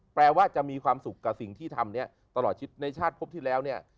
แปลว่าจะมีความสุขกับสิ่งที่ทำเนี่ยตลอดชิดในชาติพบที่แล้วเนี่ย